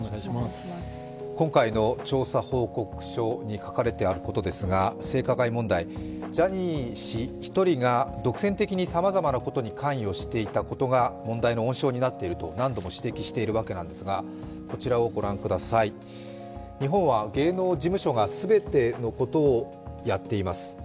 今回の調査報告書に書かれてあることですが性加害問題、ジャニー氏一人が独占的にさまざまなことに関与していたことが問題の温床になっていると何度も指摘しているわけなんですが、こちらをご覧ください、日本は芸能事務所が全てのことをやっています。